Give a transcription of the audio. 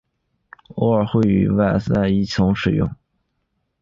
偶尔会与塞外一同使用。